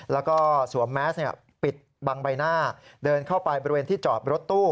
แล้วก็สวมแมสปิดบังใบหน้าเดินเข้าไปบริเวณที่จอดรถตู้